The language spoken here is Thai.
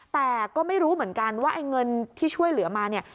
แต่ก็ไม่รู้เหมือนกันว่าไอ้เงินที่ช่วยเหลือมาเนี่ย